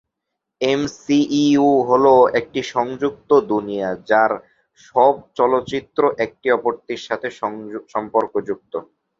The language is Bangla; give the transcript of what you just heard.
এমসিইউ হলো একটি সংযুক্ত দুনিয়া, যার সব চলচ্চিত্র একটি অপরটির সাথে সম্পর্কযুক্ত।